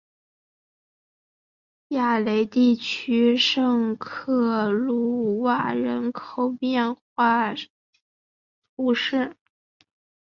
雅雷地区圣克鲁瓦人口变化图示